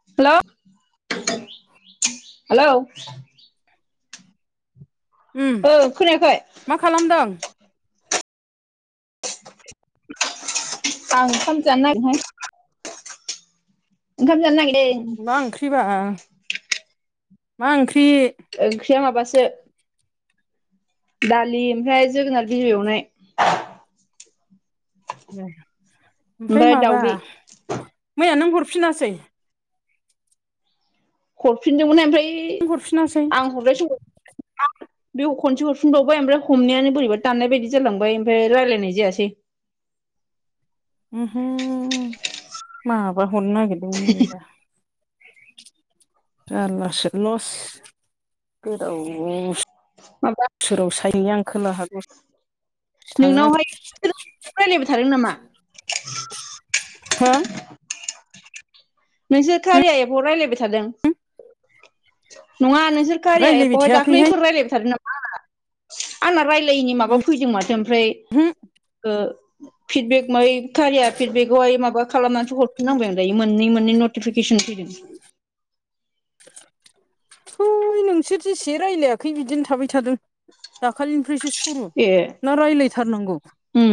हेल' hello उम ओ खोनायाखै मा खालामदों आं ओंखाम जानो नागिरदोहाय ओंखाम जानो नागि मा ओंख्रिबा मा ओंख्रि ओंख्रिया माबासो दालि ओमफ्राय जोगोनार बिजौ एवनाय ओमफ्राय माबा मैया नों हरफिनासै? हरफिनदोंमोनहाय ओमफ्राय हरफिनासै आं हरनाय समाव बे खनसे हरफिनबावबाय ओमफ्राय हमनायानो बोरैबा दाननाय बायदि जालांबाय ओमफ्राय रायज्लायनाय जायासै ओहो माबा हरनो नागिरदोंमोन नबा जारलासो लस गोदाव माबा बोसोराव सायैनि आं खोला हागोन थांनांगोन नोंनावहाय रायलायबाय थादों नामा हा नोंसोर खारिया एफ' रायज्लायबाय थादों नङा नोंसोर खारिया रायज्लायबाय एफावहाय थायाखैहाय दाख्लैफोर रायलायबाय थादों ना आ आंना रायलायैनि माबा फैदों माथो ओमफ्राय हु ओ फिदबेक म कारिया फिडबेक आहाय माबा खालामनानैथो हरफिनांबाय आं दायो मोननै मोन नतिफिकेसन थय नोंसोर जेसे रायज्लायाखै बिदिनो थाबाय थादों दाखालिनिफ्रायसो सुरु ए ना रायज्लायथारनांगौ उम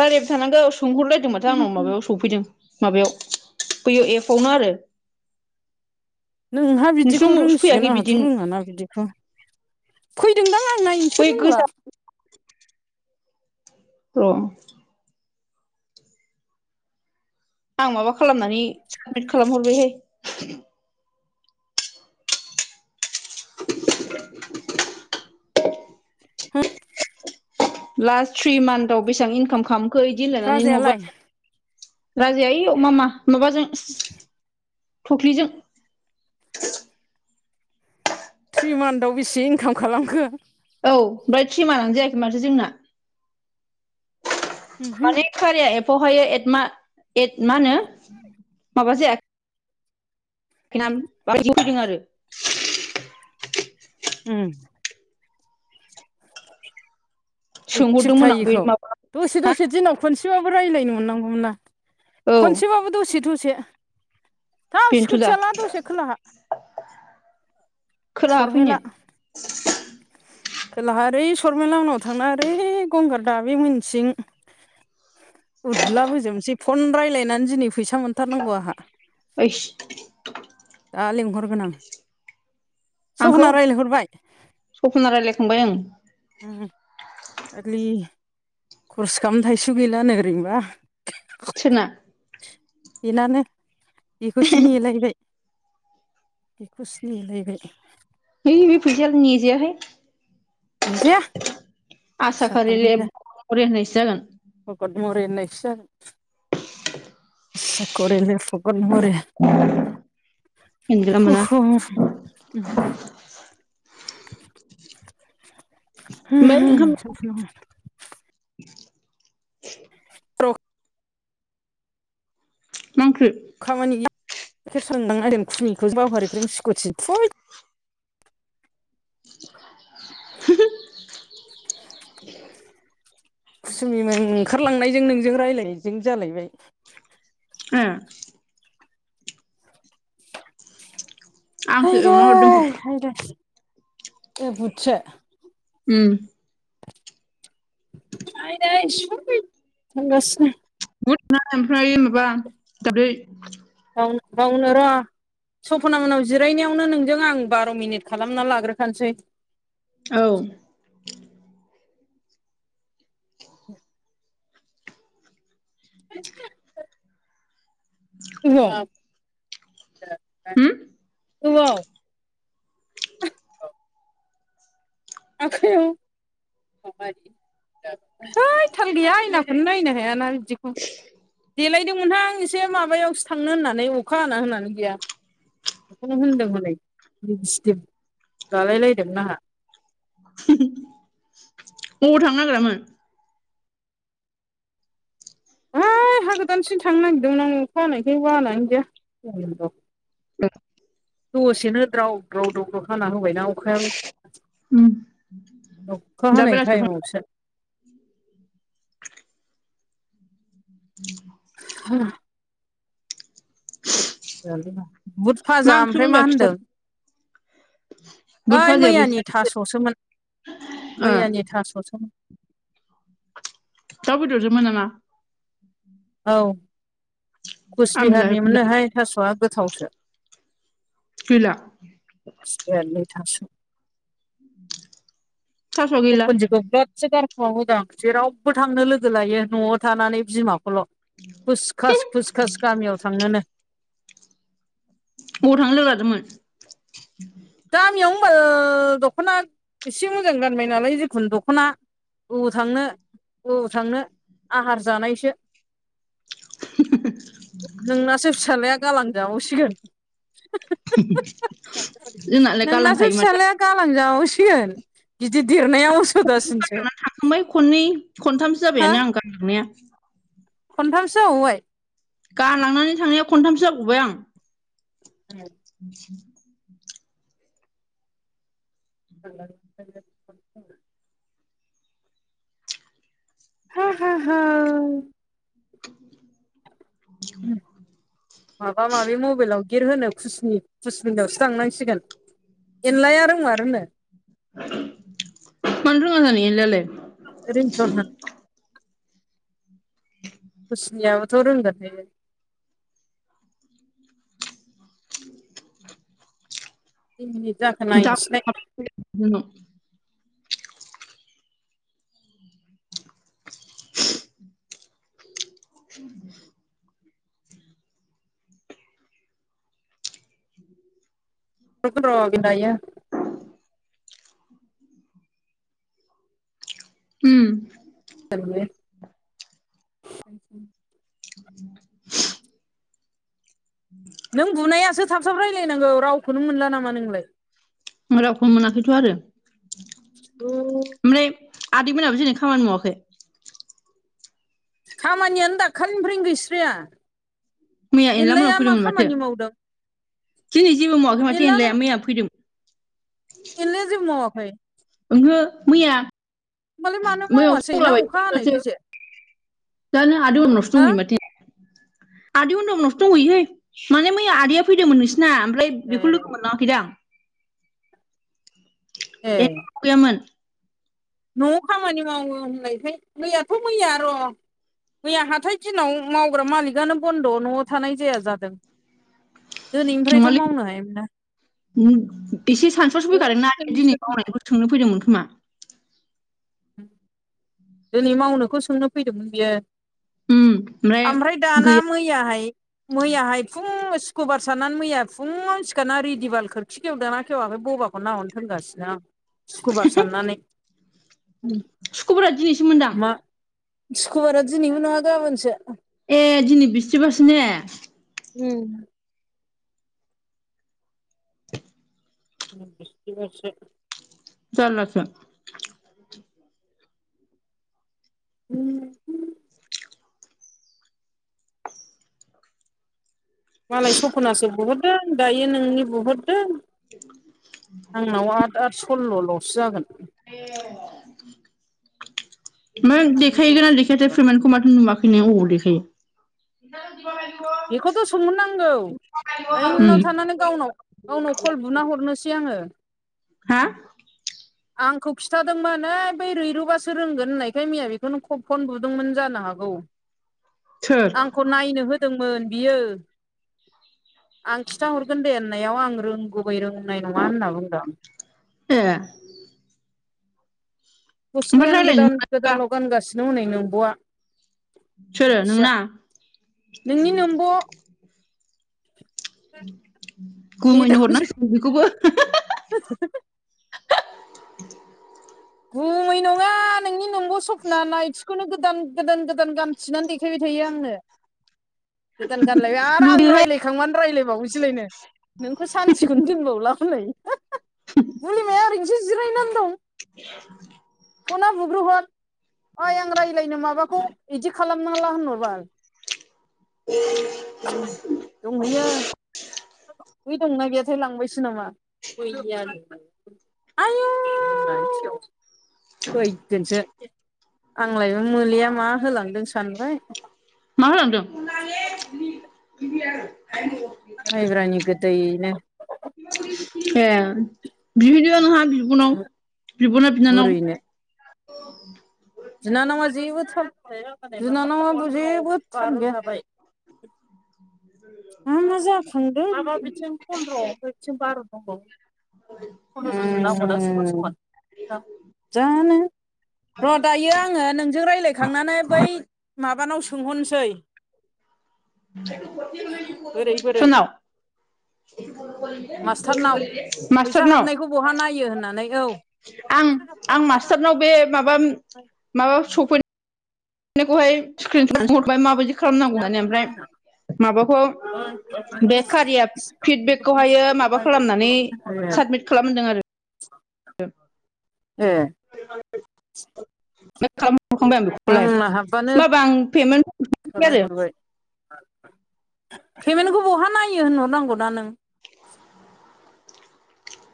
रायलायबाय थानांगौ सोंहरलायदों माथो आंनाव माबायाव सफैदों माबायाव बैयो एफआवनो आरो नोंहा बिदिखौ नोंसिनाव फैयाखै रोंसिगोन बिदि आंहाथ' रोङाना बिदिखौ फैदोंदां आं नायनोसो बै रोंला गोजा र' आं माबा खालामनानै साबमिट खालामहरबायहाय हा लास्ट थ्रि मान्थआव बेसेबां इनकाम खालामखो बिदि होन लायनानै नङाबा राजायालाय राजै इ मामा माबाजों थख्लिजों थ्रि मान्थआव बेसे इनकाम खालामखो औ ओमफ्राय थ्रि मानानो जायाखै माथो जोंना उमहो माने खारिया एफावहाय ए मा मा होनो माबा जाया [unintelligible] आरो उम एक्टिभ सोंहरदोंमोन आं बै थायिखौ माबा दसे हा दसे दिनाव खनसेबाबो रायज्लायनो मोननांगौमोना औ खनसेबाबो दसे दसे थाब बेन्थ' दा स्कुटियाला दसे खोलाहा खोना फैनो सरमेला खोलाहा ओरै सरमेला आंनाव थांना ओरै गंगार दाबि मिथिं उदलाबोजोबनोसै फन रायज्लायनानै दिनै फैसा मोनथारनांगौ आंहा ओइस दा लेंहरगोन आं आंखौ सपना रायज्लायहरबाय सपना रायलायखांबाय आं ओम आगलि खरस खालामनो थाइसेबो गैला नो ओरैनोबा सना बेनानो बेखौसो नेलायबाय बेखौ सिनिलायबाय। नैबे फैसा निजेाहाय। जाया आसा खारिले बररे होननायसो जागोन भगत मरि होननायसोसा खरिल भगत मरि अ जागोन मोनगोना [unintelligible] प्र माक्रि खामानि गाइखेर सांदांदों खुमिखौ बावहारिखौों सिखुथि थु होओम कुसुमिमोन ओंखारलांनायजों नोंजों रायजलायनायजों जालायबाय ओ। आंसो हायदै एवना हरदों बुद हायदै ए बुदसो? उम। आयै [unintelligible] थांगासिनो। बुद ना ओमफ्राय माबा दाब्ले बाव बावनो र' सपना मोननाव जिरायनायावनो नोंजों आं बार' मिनिट खालामना लाग्रोखानोसै। औ। [inaudible] [inaudible] [unintelligible] औ होम औ आखायाव? [unintelligible] है थाल गैया आयनाखौनो नायनो हायाना बिदिखौ देलायदोंमोनहां एसे माबायावसो थांनो होननानै अखा हा होनानै गैया। बेखौनो होनदों हनै लिबिस्टिब लालायलायदोंमोन आंहा। अबाव थांनो नागिरामोन? ओ हाय हा गोदानसिम थांनो नागिरदोंमोन आं अखा हाना‌यखाय बानानै गैया। [unintelligible] दसेनो द्राव द्राव दावद्राव हाना होबायना अ अखायाव उम अखा दा हानाय बेलासियाव थां टाइमावसो। [unintelligible] हो [inaudible] बुद मा भाजा ओमफ्राय ओंख्रिमोनबा मा खिथा होनदों? बुद ओइ भाजाया बैसा मैयानि थास'सोमोन ओ मैयानि थास'सोमोन। दाव बेदरजों मोन नामा? औ कुच आंबो बिहारनिमोननो जाहैगुलाय हाय थास'आ गोथावसो। गैला? [unintelligible] थास'आ गैला अखुनदिखौ बिरादसो गारखोमा बोदों आं जेरावबो थांनो लोगो लायो न'आव थानानै बिमा हल' खुसखास खुसखास गामियाव थांनोनो। ब थांनो लोगो लादोंमोन? गामियाव नो बाल दख'ना एसे मोजां गानबाय नालाय जिखुनु दख'ना ओबाव थांनो ओबाव थांनो आहार जानायसो। नोंनासो फिसाज्लाया गालां जाबावसिगोन [unintelligible] नोंनासो गालांखायो माथो फिसाज्लाया गालांजाबावसिगोन गिदिर देरनायाव [unintelligible] गारलांनानै थांखांबाय खननै खनथामसो हो जाबायानो आं गारलांनाया। खनथामसो जाबावबाय। गारलांनानै थांनाया खनथामसो जाबावबाय आं। [unintelligible] [inaudible] [unintelligible] हा हा हा। [inaudible] माबा माबि मबाइलाव गेट होनो खुसिनि कुसबिन्दायावसो थांनांसिगोन एनलाया रोंमारोनो मानो रोङा जानो एनलायालाय। रिंथन होन खुसनियाबोथ' रोंगोन बे [inaudible] खै मिनिट जाखो जा नायनोसैलाय [unintelligible] [inaudible] [inaudible] रुगोन र' बि दायो। उम [unintelligible] [inaudible] नों बुनायासो थाब थाब रायज्लायनांगौ रावखौनो मोनला नामा नोंलाय। रावखौनो मोनाखैथ' आरो औ ओमफ्राय आदै मोनाबो दिनै खामानि मावाखै? खामानियानो दाखालिनिफ्रायनो गैस्राया। मैया एनला मोनाव एनलाया मा फैदोंमोन माथो खामानि मावदों एनलान या फैदों। एनलाया जेबो मावाखै? ओंहो मैया होमबालाय मानो मैया मावासै ना अखा संलाबायो [unintelligible] हानायखायसो जानो आदैमोननावसो हा दंहैयो माथो। आदै अन्दमोननावसो दंहैयोहाय माने मैया आदैया फैदोंमोन नोंसिना ओमफ्राय ए बेखौ लोगो मोनलाङाखैदां। ए गैयामोन। न'आव खामानि मावो होननायखाय मैयाथ' मैया र' मैया हाथाइइ दिनाव मावग्रा मालिकानो बन्द' न'आव थानाय जाया जादों। दिनैनिफ्रायथ' मावनो हायोमोन ना। उम एसे सानसुवावसो फैखादोंना ओरैनोसो दिनै दंखायो मावनायखौनो सोंनो फैदोंमोन खोमा। दिनै मावनोखौ सोंनो फैदोंमोन बियो। ओमफ्राय दाना गैया मैयाहाय मैयाहाय फुं सुख्रुबार साननानै मैया फुङावनो सिखारनानै रेदिबाल खोरखि खेवदों ना खेवाखै बबा खौ नाहरनो थोनगासिनो आं सुक्रुबार साननानै उम। सुख्रुबारा दिनैसोमोनदां। सुख्रुबारा दिनैमोन नङा गाबोनसो। ए दिनै बिस्थिबारसो ने। उम बिसथिबारसो जारलासो। उम मालाय सप'नासो बुहरदों दायो नोंनि बुहरदों। आंनाव आद आद सल्ल' लसो जागोन। एह। ओमफ्राय देखायगोन ना देखायाथाय फेमेन्टखौ माथो नुवाखैनो अबाव देखायो? बेखौथ' सोंहरनांगौ दायो उम नोंनाव थांनानै गावनाव गावनाव कल बुना हरनोसै आङो। हा? आंखौ खिथादोंमोन ओइ बै रैरुबासो रोंगोन होननायखाय मैया बेखौनो फन बुदोंमोन जानो हागौ सोर? आंखौ नायनो होदोंमोन बियो। आं खिथाहरगोन दे होननायाव आं रोंगुबै रोंनाय नङा होनना बुंदों। [unintelligible] ओमफ्राय गस्लायानो रायज्लायनो गोदान मोनाखैबा गोदानल' गानगासिनो हनै नोंब'वा सोरो आथिया। नोंना नोंनि नोमब'। गुमैनो हरनांसिगोन बेखौबो। ब गुमै नङा नोंनि नोमब' सपना नायथिखौनो गोदान गोदान गोदान गानथिनानै देखायबाय थायो आङो गोदान गानलायबाय आरो आं लुगैयोहाय रायलाय खांबानो रायज्लायबावोसैलायनो नोंखौ सानथिखौनो दोनबावला हनै। निलिमाया ओरैनोसो जिरायनानै दं। [inaudible] फना बुग्रोहर ओइ आं रायज्लायनो माबाखौ बिदि खालामनाांला होनहर बाल। दंहैयो। बै दंना गैयाथाय लांबायसो नामा बे गैया। आइयौ! थैगोनसो आंलाय बे मोलिया मा होलांदों सानबाय। मा होलांदों? माइब्रानि गोदैनो। ए बिहैदो नोंहा बिबनाव, बिब' ना बिनानाव? बुरैनो अ बिनानावा जेबो थाब बिनानावआथ' जेबो थाल गैया आमफ्राय। मा मा जाखांदों माबा बिथिं फन्द्र'आव बिथिं बार' दंबावो। जानो? र' दायो आङो नोंजों रायज्लायखांनानै बै माबानाव सोंहरनोसै। बोरै बोरै सोरनाव? मास्टारनाव फैसा मासटारनाव। हाबनायखौ बहा नायो होननानै औ आं आं मास्टारनाव बे माबा माबा सफै बेखौहाय स्क्रिनहर'बाय माबायदि खालामनांगौ माने ओमफ्राय माबाखौ बे कारिया फिडबेकखौहायो माबा खालामनानै साबमिट खालामदों आरो। [inaudible] ए [inaudible] मा खालाम हरखांबाय आं बेखौलाय आंना हाबबानो होमाबा आं पेमेन्टसै आरो। खालामहरबाय पेमेन्टखौ बहा नायो होनहर नांगौना नों।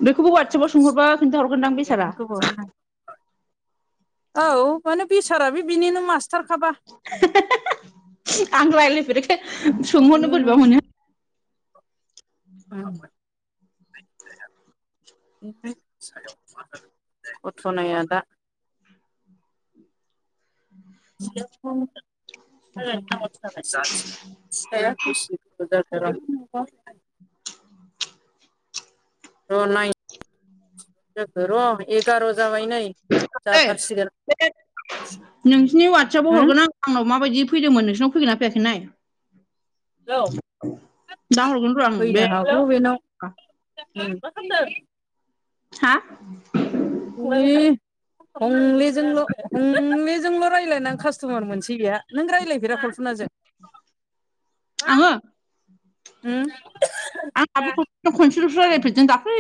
बेखौबो ववाटसेपाव सोंहरबा खोनथाहरगोनदां बेसारा! [unintelligible] औ माने बिसारा, बे बिनिनो मास्टारखाबा। आं रायलायफेरिखाय सोंहरनो बिनिनो बोरैबा मोनो। [inaudible] कथ'नाया दा [inaudible] [unintelligible] [inaudible] र नाय र गार' जाबाय नै जाथारसिगोन नोंसिनि वाट्सपाव होम हरगोन आं आंनाव माबादि फैदोंमोन, नोंसिनाव फैगोना फैयाखै नाय। औ दा हरगोन र' आं बे फैनो हागौ बेनाव। हा? हं हंलेजोंल' हंलेजोंल' रायज्लायनानै कास्ट'मार मोनसै बेया नों रायज्लायफेरा कल्पुनाजों आङो उम [unintelligible] आंहाबो खनसेल' खनसेलसो राज्लायफेरदों जों दाख्लै